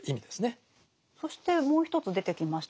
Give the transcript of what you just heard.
そしてもう一つ出てきました